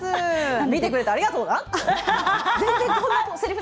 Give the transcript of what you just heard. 見てくれてありがとうな！